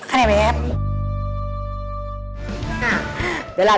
makan ya bebet